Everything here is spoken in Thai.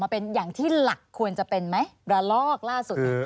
เป็นอย่างที่หลักควรจะเป็นไหมระลอกล่าสุด